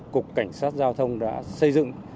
cục cảnh sát giao thông đã xây dựng